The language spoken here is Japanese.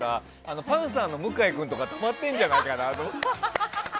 パンサーの向井君とかたまってんじゃないかなって。